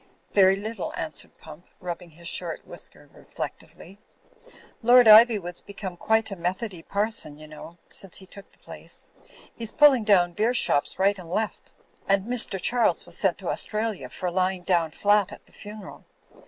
'Very little," answered Pump, rubbing his short whisker reflectively. "Lord Ivywood's become quite a Methody parson, you know, since he took the place; he's pulling down beer shops right and left. And Mr. Charles was sent to Australia for lying down flat at the funeral.